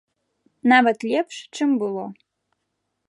Нават лепш, чым было.